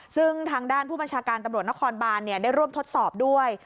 ซึ่งทางด้านผู้บัญชาการตำรวจนครบานได้ร่วมทดสอบด้วย